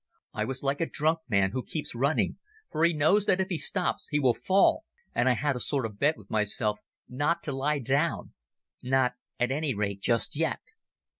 I was like a drunk man who keeps running, for he knows that if he stops he will fall, and I had a sort of bet with myself not to lie down—not at any rate just yet.